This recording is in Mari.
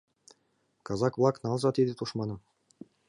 Казак-влак, налза тиде тушманым!